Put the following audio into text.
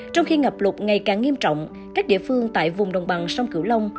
trong khi ngập lụt ngày càng nghiêm trọng các địa phương tại vùng đồng bằng sông cửu long